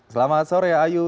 selamat sore ayu